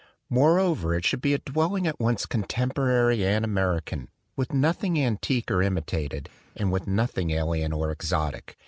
Moreover, it should be a dwelling at once con temporary and American, with nothing antique or imitated, and with nothing alien or exotic.